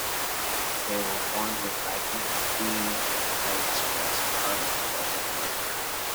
They were worn with leggings, jeans, and tights or as part of aerobic wear.